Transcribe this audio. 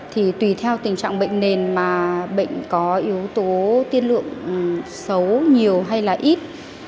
thì tùy theo tình trạng bệnh nền mà bệnh có yếu tố tiên lượng xấu nhiều hay là ít